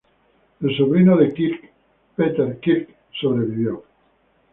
El sobrino de Kirk, Peter Kirk, sobrevivió.